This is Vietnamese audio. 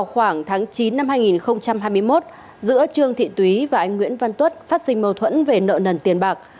khoảng tháng chín năm hai nghìn hai mươi một giữa trương thị túy và anh nguyễn văn tuất phát sinh mâu thuẫn về nợ nần tiền bạc